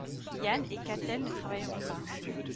Yann et Katell ne travailleront pas.